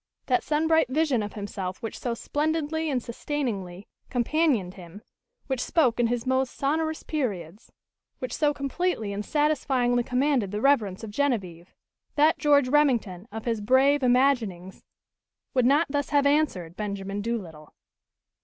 That sun bright vision of himself which so splendidly and sustainingly companioned him, which spoke in his most sonorous periods, which so completely and satisfyingly commanded the reverence of Genevieve that George Remington of his brave imaginings would not thus have answered Benjamin Doolittle.